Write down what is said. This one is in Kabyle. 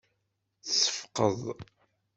Tseffqeḍ.